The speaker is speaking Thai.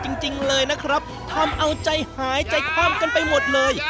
จริงเลยนะครับทำเอาใจหายใจความกันไปหมดเลย